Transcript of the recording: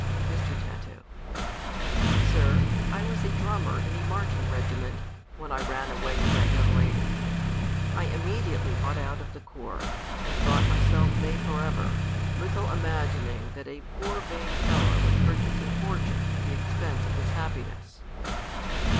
Mr. Tat. Sir, I was a drummer in a marching regi ment, when I ran away with that young lady. I im mediately bought out of the corps, and thought myself made forever ; little imagining that a poor vain fellow was purchasing fortune at the expense of his happiness.